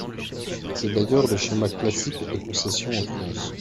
C’est d’ailleurs le schéma classique de concession en France.